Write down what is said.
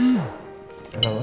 masih siap siap mah